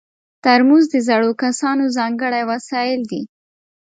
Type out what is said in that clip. ترموز د زړو کسانو ځانګړی وسایل دي.